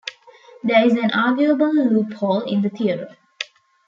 There is an arguable loophole in the theorem.